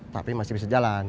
tapi masih bisa jalan